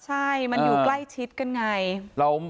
ใช่มันอยู่ใกล้ชิดกันไง